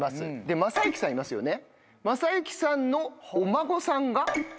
正幸さんいますよね正幸さんのお孫さんが。